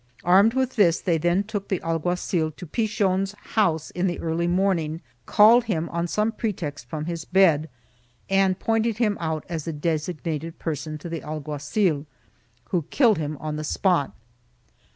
Armed with this they took the alguazil to Pichon's house in the early morning, called him on some pretext from his bed and pointed him out as the designated person to the alguazil, who killed him on the spot.